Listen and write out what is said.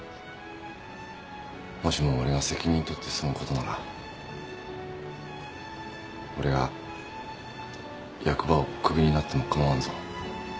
もしも俺が責任取って済むことなら俺は役場をクビになってもかまわんぞ。